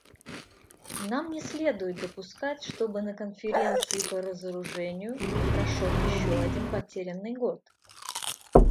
Нам не следует допускать, чтобы на Конференции по разоружению прошел еще один потерянный год.